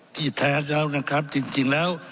ที่แท้แล้วนะครับจริงแล้ว